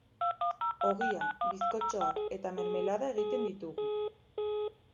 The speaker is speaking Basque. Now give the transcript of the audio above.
Ogia, bizkotxoak eta mermelada egiten ditugu.